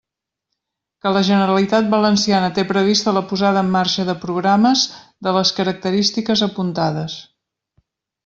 Que la Generalitat Valenciana té prevista la posada en marxa de programes de les característiques apuntades.